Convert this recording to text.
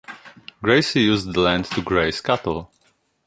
Gracie used the land to graze cattle.